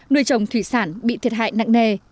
nuôi chồng thủy sản bị thiệt hại nặng nề